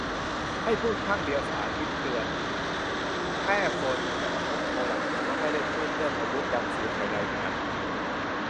ให้พูดข้างเดียว : สาทิตย์เตือน แพร่โฟนอินจักรภพ โชว์หลักฐานว่าไม่ได้พูดเรื่องอาวุธดังสื่อไทยรายงาน